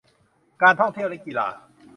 การท่องเที่ยวและกีฬา